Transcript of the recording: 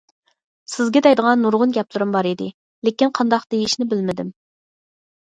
سىزگە دەيدىغان نۇرغۇن گەپلىرىم بار ئىدى، لېكىن قانداق دېيىشنى بىلمىدىم.